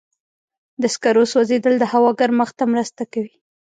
د سکرو سوځېدل د هوا ګرمښت ته مرسته کوي.